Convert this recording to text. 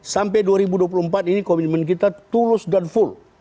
sampai dua ribu dua puluh empat ini komitmen kita tulus dan full